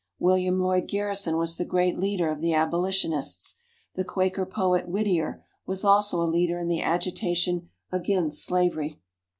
William Lloyd Garrison was the great leader of the Abolitionists. "The Quaker Poet" Whittier was also a leader in the agitation against slavery.